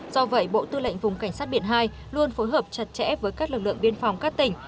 do vậy bộ tư lệnh vùng cảnh sát biển hai luôn phối hợp chặt chẽ với các lực lượng biên phòng các tỉnh